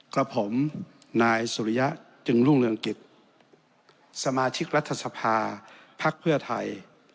กับผมนายสุริยะจึงรุ่งเรืองกิจสมาชิกรัฐสภาพักเพื่อไทย